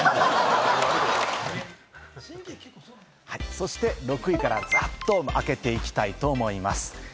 そして６位から、ざっと開けていきたいと思います。